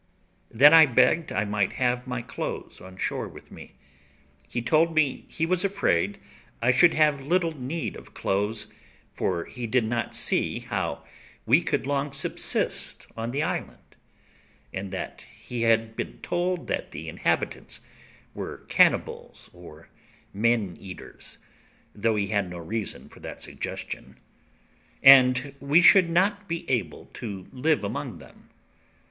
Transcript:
Then I begged I might have my clothes on shore with me. He told me he was afraid I should have little need of clothes, for he did not see how we could long subsist on the island, and that he had been told that the inhabitants were cannibals or men eaters (though he had no reason for that suggestion), and we should not be able to live among them.